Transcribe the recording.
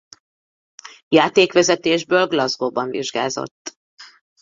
Játékvezetésből Glasgowban vizsgázott.